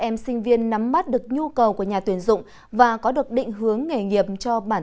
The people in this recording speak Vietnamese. các em sinh viên nắm mắt được nhu cầu của nhà tuyển dụng và có được định hướng nghề nghiệp cho bản